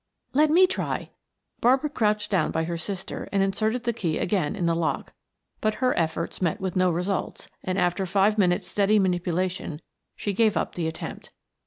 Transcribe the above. "Let me try." Barbara crouched down by her sister and inserted the key again in the lock, but her efforts met with no results, and after five minutes' steady manipulation she gave up the attempt.